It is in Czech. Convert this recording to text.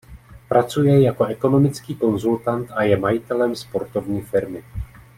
Pracuje jako ekonomický konzultant a je majitelem sportovní firmy.